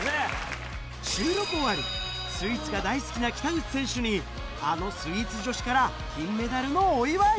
収録終わり、スイーツが大好きな北口選手に、あのスイーツ女子から金メダルのお祝い。